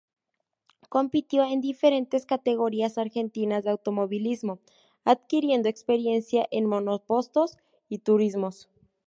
Compitió en diferentes categorías argentinas de automovilismo, adquiriendo experiencia en monopostos y turismos.